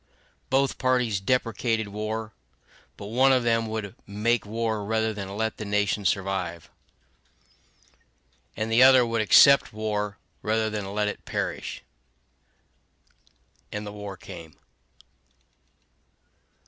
Both parties deprecated war; but one of them would make war rather than let the nation survive; and the other would accept war rather than let it perish. And the war came.